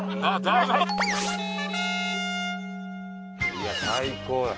いや最高よ。